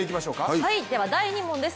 第２問です。